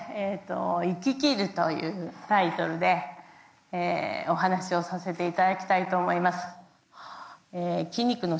「生ききる」というタイトルでお話をさせていただきたいと思います。